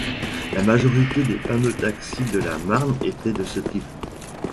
La majorité des fameux taxis de la Marne étaient de ce type.